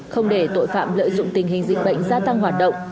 không để tội phạm lợi dụng tình hình dịch bệnh gia tăng hoạt động